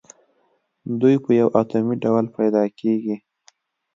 دوی په یو اتومي ډول پیداکیږي.